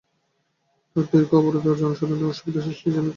তাঁদের দীর্ঘ অবরোধে জনসাধারণের অসুবিধা সৃষ্টির জন্য তিনি ক্ষমা প্রার্থনা করেন।